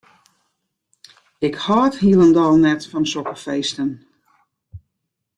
Ik hâld hielendal net fan sokke feesten.